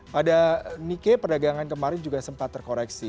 pada nike perdagangan kemarin juga sempat terkoreksi